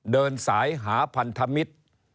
เดินสายหาพันธมิตร